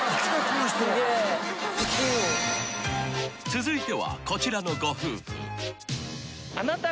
［続いてはこちらのご夫婦］